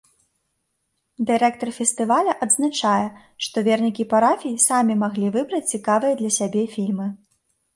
Дырэктар фестываля адзначае, што вернікі парафій самі маглі выбраць цікавыя для сябе фільмы.